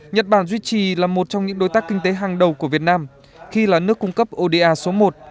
nhật bản duy trì là một trong những đối tác kinh tế hàng đầu của việt nam khi là nước cung cấp oda số một